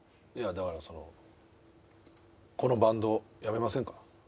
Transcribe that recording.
いやだからそのこのバンドやめませんか？